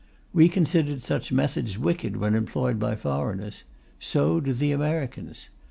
We considered such methods wicked when employed by foreigners; so do the Americans.